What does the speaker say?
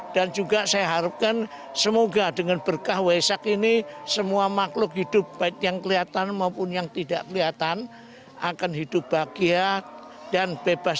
dan juga saya harapkan semoga dengan berkah waisak ini semua makhluk hidup baik yang kelihatan maupun yang tidak kelihatan akan hidup bahagia dan bebas